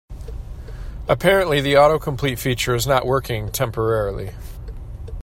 Apparently, the autocomplete feature is not working temporarily.